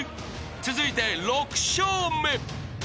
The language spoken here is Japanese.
［続いて６笑目］